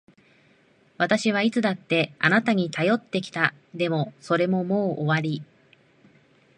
私はいつだってあなたに頼ってきた。でも、それももう終わり。